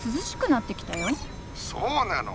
そうなの。